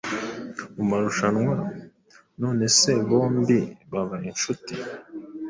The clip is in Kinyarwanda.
mumarushanwa nonesebombi baba inshuti